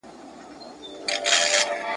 د ټولني مطالعې له کنت څخه مخکي شتون درلود.